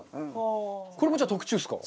これもじゃあ特注ですか？